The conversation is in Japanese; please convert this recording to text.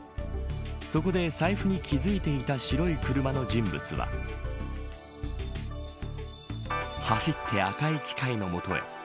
そこで、財布に気付いていた白い車の人物は走って赤い機械の元へ。